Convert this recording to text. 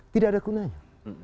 tidak ada gunanya